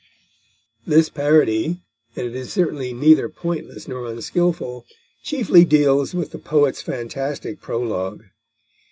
This parody and it is certainly neither pointless nor unskilful chiefly deals with the poet's fantastic prologue.